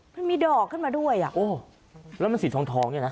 มันมีดอกขึ้นมาด้วยแล้วมันสีทองนี่นะ